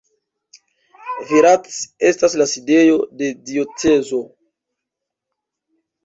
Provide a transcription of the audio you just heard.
Virac estas la sidejo de diocezo.